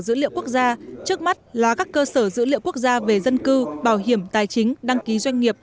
các cơ sở dữ liệu quốc gia trước mắt là các cơ sở dữ liệu quốc gia về dân cư bảo hiểm tài chính đăng ký doanh nghiệp